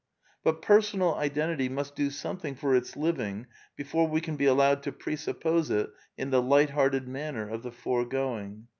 ^* But Personal Identity must do something for its living before we can be allowed to presuppose it in the light hearted manner of the foregoing.